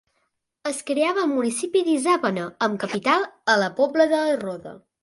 Es creava el municipi d'Isàvena, amb capital a la Pobla de Roda.